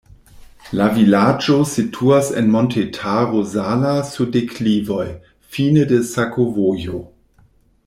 La vilaĝo situas en Montetaro Zala sur deklivoj, fine de sakovojo.